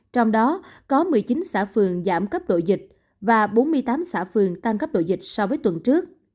trong đó có một mươi chín xã phường giảm cấp độ dịch và bốn mươi tám xã phường tăng cấp độ dịch so với tuần trước